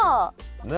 ねえ。